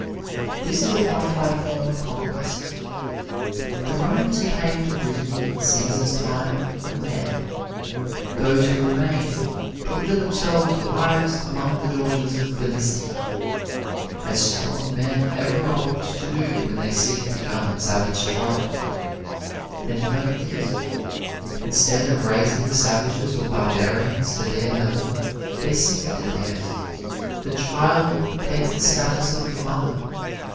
This is a modified form of conquest. The Romans who came to Brittany in Cæsar's time were men. Those who remained "took to themselves wives among the daughters of Philistia," as strong men ever are wont to do when they seek to govern savage tribes. And note this instead of raising the savages or barbarians to their level, they sink to theirs. The child takes the status of the mother.